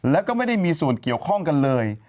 แล้วก็ไม่ได้มีส่วนเกี่ยวข้องกันเลย